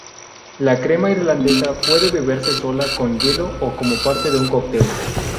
La crema irlandesa puede beberse sola con hielo o como parte de un cóctel.